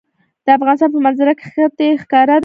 د افغانستان په منظره کې ښتې ښکاره ده.